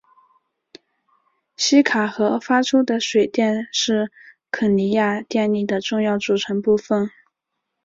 锡卡河发出的水电是肯尼亚电力的重要组成部分。